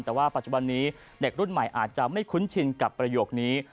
แต่ว่าปัจจุบันนี้เด็กรุ่นใหม่อาจจะไม่คุ้นชินกับประโยคนี้